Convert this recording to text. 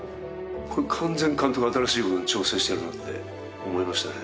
これ完全に監督新しいことに挑戦してるなって思いましたね